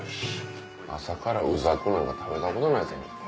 朝からうざくなんか食べたことない。